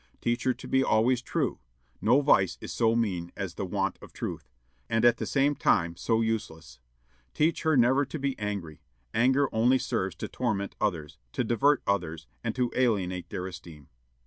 Teach her to be always true; no vice is so mean as the want of truth, and at the same time so useless. Teach her never to be angry; anger only serves to torment ourselves, to divert others, and alienate their esteem."